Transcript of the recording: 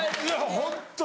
ホントに。